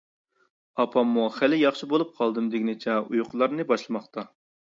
ئاپاممۇ خېلى ياخشى بولۇپ قالدىم دېگىنىچە ئۇيقۇلارنى باشلىماقتا.